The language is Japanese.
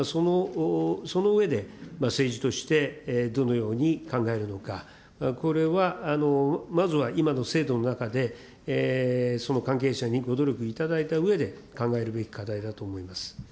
その上で、政治としてどのように考えるのか、これはまずは今の制度の中で、その関係者にご努力いただいたうえで、考えるべき課題だと思います。